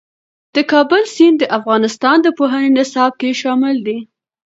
د کابل سیند د افغانستان د پوهنې نصاب کې شامل دی.